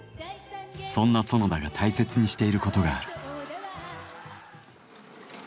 そんな園田が大切にしていることがある。